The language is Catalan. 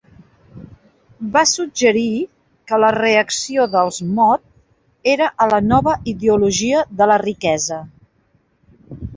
Va suggerir que la reacció dels Mod era a la nova ideologia de la riquesa.